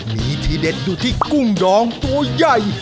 มีที่เด็ดอยู่ที่กุ้งดองตัวใหญ่